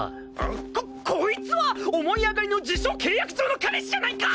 ここいつは思い上がりの自称契約上の彼氏じゃないか！